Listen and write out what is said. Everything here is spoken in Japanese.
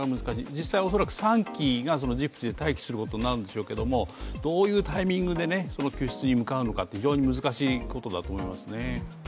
実際恐らく３機がジブチで待機することになると思うんですけれどもどういうタイミングで救出に向かうのか非常に難しいことだと思いますね。